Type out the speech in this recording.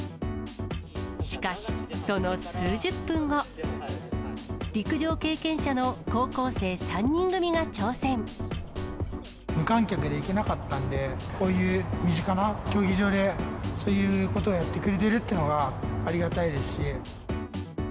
しかし、その数十分後、無観客で行けなかったんで、こういう身近な競技場で、そういうことをやってくれてるというのがありがたいですし。